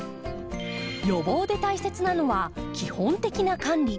予防で大切なのは基本的な管理。